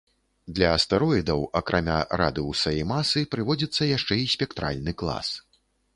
Для астэроідаў акрамя радыуса і масы прыводзіцца яшчэ і спектральны клас.